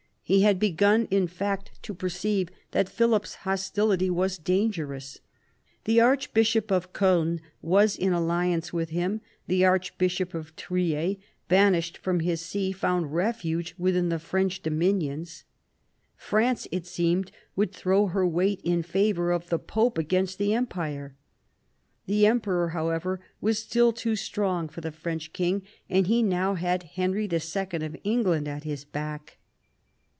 He had begun in fact to perceive that Philip's hostility was dangerous. The archbishop of Koln was in alliance with him : the archbishop of Trier, banished from his see, found refuge within the French dominions. France, it seemed, would throw her weight in favour of the pope against the Empire. The emperor, however, was still too strong for the French king, and he now had Henry II. of England at his back.